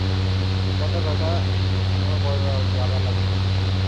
পতাকাটা আমার বড় দাদা লাগিয়েছিলেন।